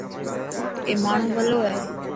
اي ماڻهو ڀلو هي.